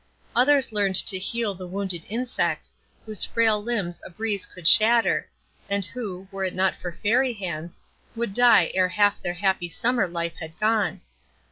Others learned to heal the wounded insects, whose frail limbs a breeze could shatter, and who, were it not for Fairy hands, would die ere half their happy summer life had gone.